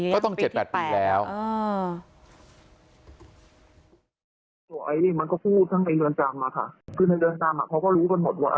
ต้อง๗๘ปีแล้ว